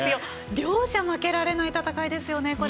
両者、負けられない戦いですよね。